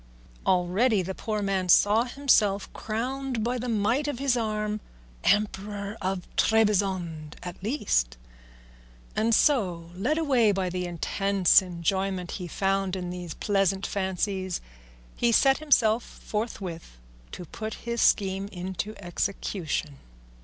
Already the poor man saw himself crowned by the might of his arm Emperor of Trebizond at least; and so, led away by the intense enjoyment he found in these pleasant fancies, he set himself forthwith to put his scheme into execution.